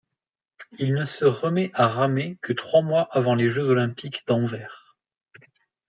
Il ne se remet à ramer que trois mois avant les Jeux olympiques d'Anvers.